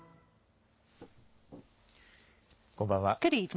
こんばんは。